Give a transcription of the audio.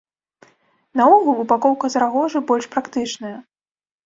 Наогул, упакоўка з рагожы больш практычная.